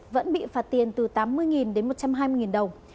vẫn bị phạt tiền từ tám mươi đến một trăm hai mươi đồng